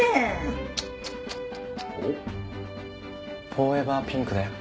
フォーエバーピンクだよ。